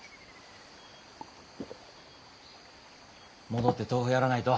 戻って豆腐やらないと。